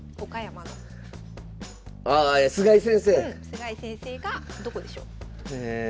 菅井先生がどこでしょう？え。